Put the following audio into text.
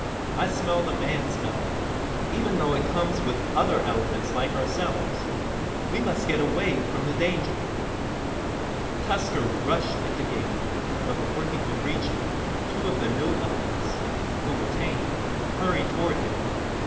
I smell the man smell, even though it comes with other elephants like ourselves. We must get away from the danger!" Tusker rushed at the gate, but before he could reach it two of the new elephants, who were tame, hurried toward him.